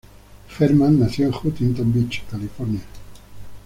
Germán nació en Huntington Beach, California.